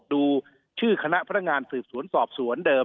ดูชื่อคณะพนักงานสืบสวนสอบสวนเดิม